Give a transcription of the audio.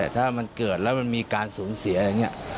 ถ้ามันเกิดแล้วมันมีการสูญเสียอะไรอย่างนี้